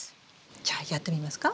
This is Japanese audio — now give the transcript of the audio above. じゃあやってみますか？